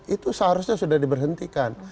itu seharusnya sudah diberhentikan